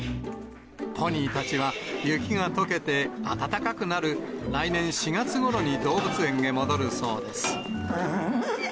ポニーたちは雪がとけて暖かくなる来年４月ごろに動物園へ戻るそうです。